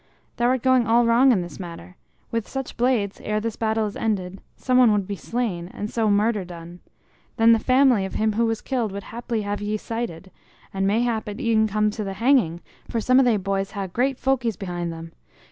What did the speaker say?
"Thou art going all wrong in this matter. With such blades, ere this battle is ended, some one would be slain, and so murder done. Then the family of him who was killed would haply have ye cited, and mayhap it might e'en come to the hanging, for some of they boys ha' great folkeys behind them.